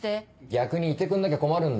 逆に居てくんなきゃ困るんだよ。